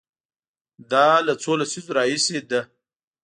دا له څو لسیزو راهیسې ده.